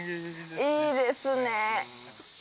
いいですね。